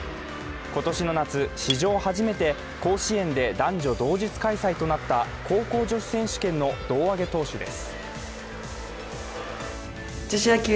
今年の夏、史上初めて甲子園で男女同日開催となった高校女子選手権の胴上げ投手です。